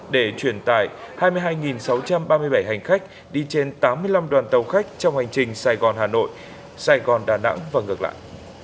để chuyển tải hai mươi hai sáu trăm ba mươi bảy hành khách đi trên tám mươi năm đoàn tàu khách trong hành trình sài gòn hà nội sài gòn đà nẵng và ngược lại